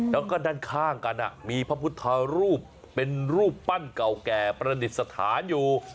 แล้วก็ด้านข้างกันมีพระพุทธรูปเป็นรูปปั้นเก่าแก่ประดิษฐานอยู่